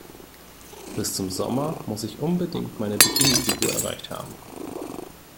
Bis zum Sommer muss ich unbedingt meine Bikini-Figur erreicht haben.